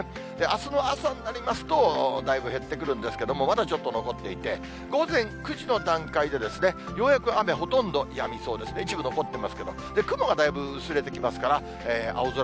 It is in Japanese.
あすの朝になりますと、だいぶ減ってくるんですけれども、まだちょっと残っていて、午前９時の段階で、ようやく雨、ほとんどやみそうです、一部残ってますけど。